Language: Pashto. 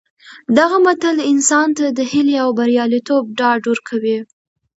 دغه متل انسان ته د هیلې او بریالیتوب ډاډ ورکوي